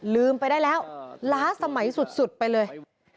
ลืมไปได้แล้วล้าสมัยสุดไปเลย